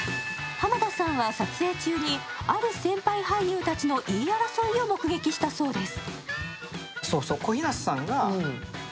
濱田さんは撮影中にある先輩俳優たちの言い争いを目撃したそうです。